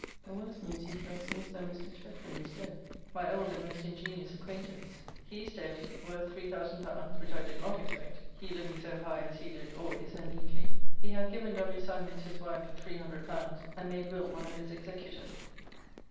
The worst news he tells me, is that Mr. Chetwind is dead, my old and most ingenious acquaintance. He is dead, worth L3,000, which I did not expect, he living so high as he did always and neatly. He hath given W. Symons his wife L300, and made Will one of his executors.